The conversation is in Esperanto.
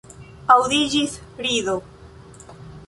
Aŭdiĝis rido.